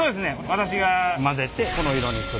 私が混ぜてこの色にする。